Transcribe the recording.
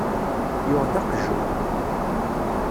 Yuɣ-d aqejjun.